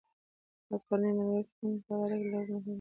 له کورنۍ او ملګرو سره د مثبتو اړیکو لرل مهم دي.